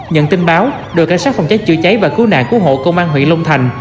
nhận tin báo đội cảnh sát phòng cháy chữa cháy và cứu nạn cứu hộ công an huyện long thành